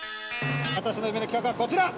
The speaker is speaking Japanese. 私の夢の企画はこちら！